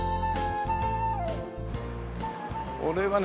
俺はね